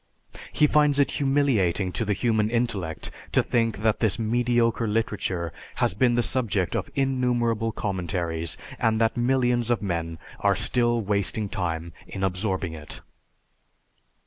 He finds it humiliating to the human intellect to think that this mediocre literature has been the subject of innumerable commentaries and that millions of men are still wasting time in absorbing it."